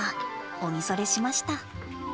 お見それしました。